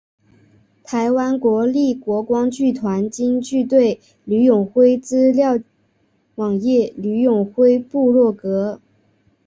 台湾国立国光剧团京剧队吕永辉资料网页吕永辉部落格